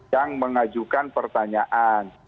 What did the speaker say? yang mengajukan pertanyaan